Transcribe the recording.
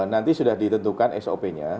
nanti sudah ditentukan sop nya